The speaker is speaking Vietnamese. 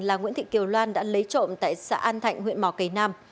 là nguyễn thị kiều loan đã lấy trộm tại xã an thạnh huyện mỏ cầy nam